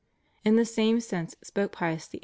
In the same sense spoke Pius VIII.